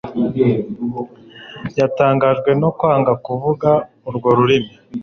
Yatangajwe no kwanga kuvuga urwo ururimi